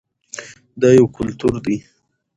دا یو کلتور دی.